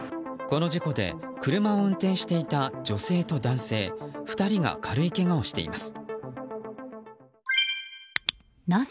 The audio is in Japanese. この事故で車を運転していた女性と男性２人が軽いけがをしています。